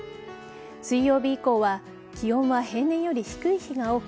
水曜日以降は気温は平年より低い日が多く